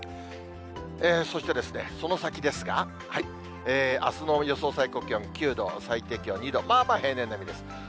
そして、その先ですが、あすの予想最高気温９度、最低気温２度、まあまあ平年並みです。